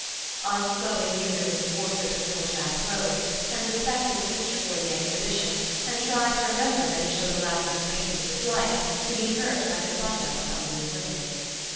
Aunt Chloe knew there was a portrait of little Jack Rose, and suspect ed a picture for the exhibition, and tried to remem ber that it showed a lack of acquaintance with life to be hurt by the conduct of the afflicted.